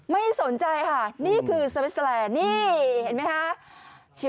ไม่สนใจค่ะนี่คือสวิสเตอร์แลนด์นี่เห็นไหมคะ